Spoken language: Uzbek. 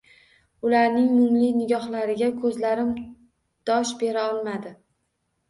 Ularning mungli nigohlariga ko‘zlarim dosh bera olmadi